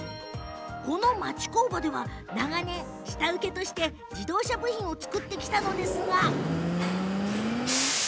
この町工場では長年下請けとして自動車部品を作ってきたのですが。